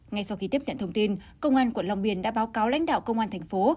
ngay sau khi tiếp nhận thông tin công an quận long biên đã báo cáo lãnh đạo công an thành phố